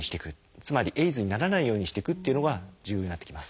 つまりＡＩＤＳにならないようにしてくっていうのが重要になってきます。